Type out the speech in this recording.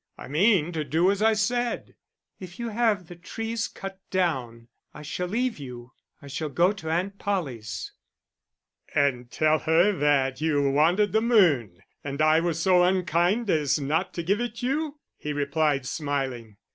"I mean to do as I said." "If you have the trees cut down, I shall leave you; I shall go to Aunt Polly's." "And tell her that you wanted the moon, and I was so unkind as not to give it you?" he replied, smiling.